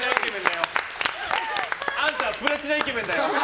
あんたはプラチナイケメンだよ！